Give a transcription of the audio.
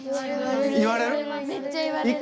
言われる？